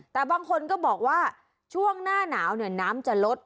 แต่บางคนก็บอกว่าช่วงหน้าหนาวเนี่ยน้ำจะลด